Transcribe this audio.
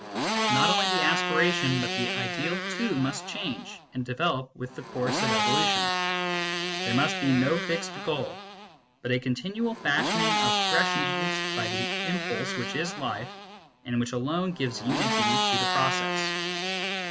Not only the aspiration, but the ideal too, must change and develop with the course of evolution : there must be no fixed goal, but a continual fashioning of fresh needs by the impulse which is life and which alone gives unity to the process.